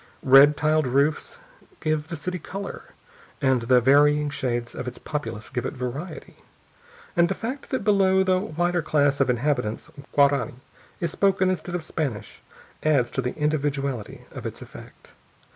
Red tiled roofs give the city color, and the varying shades of its populace give it variety, and the fact that below the whiter class of inhabitants Guarani is spoken instead of Spanish adds to the individuality of its effect.